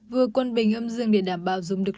vừa quân bình âm dương để đảm bảo dùng được